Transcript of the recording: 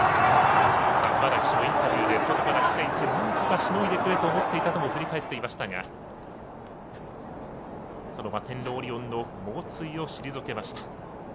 川田騎手もインタビューで外からいって、なんとかしのいでくれと振り返っていましたがそのマテンロウオリオンの猛追を退けました。